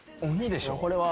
これは。